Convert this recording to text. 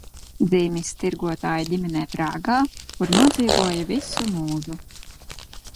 Dzimis tirgotāja ģimenē Prāgā, kur nodzīvoja visu mūžu.